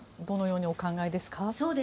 どのようにお考えですか。